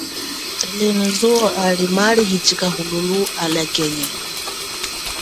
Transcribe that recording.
Talenu zuwo lienu maali hichika liahululu, alakenye.